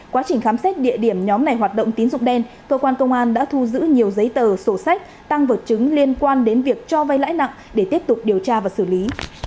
quá trình khám xét địa điểm nhóm này hoạt động tín dụng đen cơ quan công an đã thu giữ nhiều giấy tờ sổ sách tăng vật chứng liên quan đến việc cho vay lãi nặng để tiếp tục điều tra và xử lý